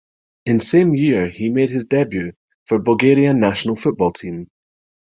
In same year he made his debut for Bulgaria national football team.